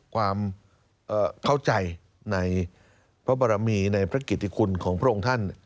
ความเข้าใจในพระบรมีในพระกิติคุณของพระองค์ท่าน